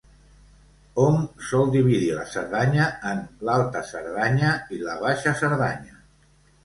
Hom sol dividir la Cerdanya en l'Alta Cerdanya i la Baixa Cerdanya.